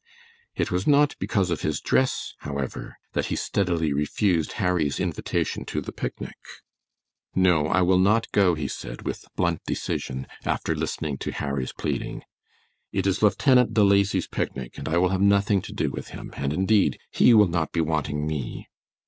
It was not because of his dress, however, that he steadily refused Harry's invitation to the picnic. "No, I will not go," he said, with blunt decision, after listening to Harry's pleading. "It is Lieutenant De Lacy's picnic, and I will have nothing to do with him, and indeed he will not be wanting me!"